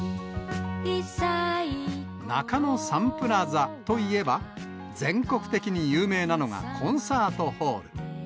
中野サンプラザといえば、全国的に有名なのがコンサートホール。